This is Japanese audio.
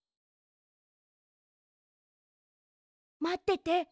まってて。